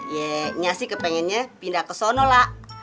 ye inya sih kepengennya pindah ke sono lah